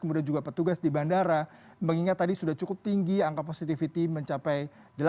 kemudian juga petugas di bandara mengingat tadi sudah cukup tinggi angka positivity mencapai delapan